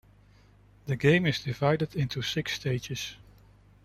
The game is divided into six stages.